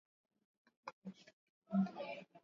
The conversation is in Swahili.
kwa muda wote wa Agano Jipya na karne ya kwanza ya Kanisa